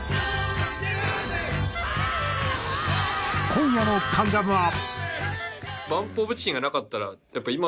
今夜の『関ジャム』は。